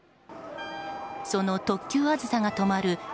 その特急「あずさ」が止まる